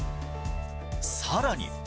さらに。